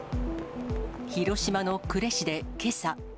広島の呉市でけさ。